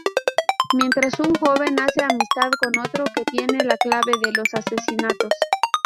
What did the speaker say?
Mientras, un joven hace amistad con otro, que tiene la clave de los asesinatos.